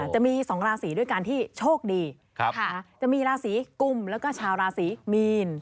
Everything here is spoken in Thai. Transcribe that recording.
จะมี๒ราศีด้วยกันที่โชคดีจะมีราศีกุมแล้วก็ชาวราศีมีน